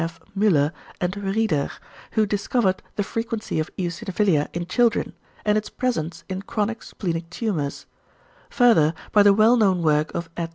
F. Müller and Rieder, who discovered the frequency of eosinophilia in children, and its presence in chronic splenic tumours; further by the well known work of Ed.